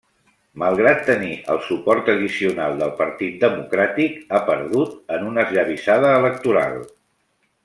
Malgrat tenir el suport addicional del Partit Democràtic, ha perdut en una esllavissada electoral.